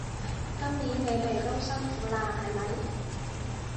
今年你哋都辛苦喇係咪？